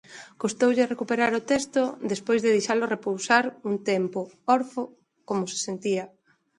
Custoulle recuperar o texto despois de deixalo repousar un tempo, orfo como se sentía.